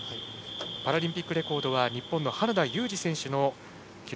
パラリンピックレコードは日本の選手の記録